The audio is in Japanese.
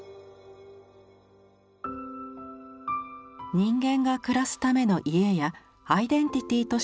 人間が暮らすための「家」やアイデンティティとしての「故郷」。